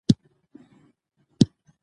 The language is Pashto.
د مالیې ورکول د حق ادا کول دي.